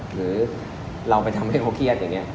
หรือเราไปทำให้เขาเครียดอย่างนี้